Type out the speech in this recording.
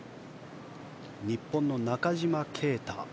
日本の中島啓太。